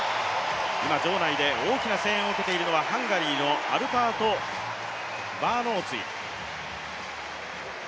今場内で大きな声援を受けているのはハンガリーのアルパード・バーノーツィ。